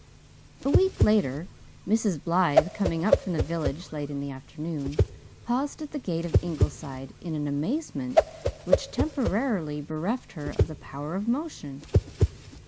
A week later Mrs. Blythe, coming up from the village late in the afternoon, paused at the gate of Ingleside in an amazement which temporarily bereft her of the power of motion.